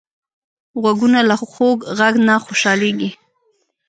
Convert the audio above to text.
غوږونه له خوږ غږ نه خوشحالېږي